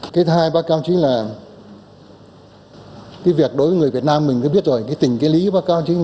cái thứ hai bác cao trí là cái việc đối với người việt nam mình tôi biết rồi cái tình cái lý bác cao trí